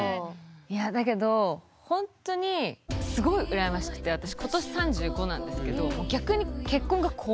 いやだけどほんとにすごい羨ましくて私今年３５なんですけどへえ。